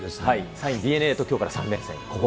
３位ＤｅＮＡときょうから３連戦。